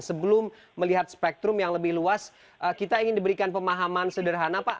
sebelum melihat spektrum yang lebih luas kita ingin diberikan pemahaman sederhana pak